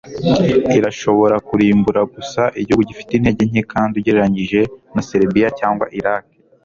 Irashobora kurimbura gusa igihugu gifite intege nke kandi ugereranije na Seribiya cyangwa Iraki